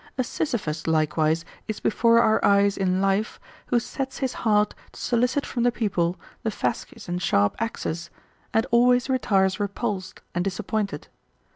A Sisyphus, likewise, is before our eyes in life, who sets his heart ^ to solicit from the people the fasces and sharp axes, and always retires repulsed and disappointed.